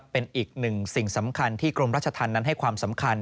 เป็นอีกหนึ่งสิ่งสำคัญที่กรมราชธรรมนั้นให้ความสำคัญ